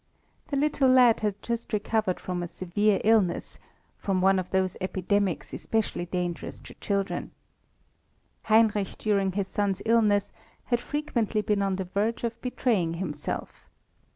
The little lad had just recovered from a severe illness; from one of those epidemics especially dangerous to children. Heinrich during his son's illness had frequently been on the verge of betraying himself.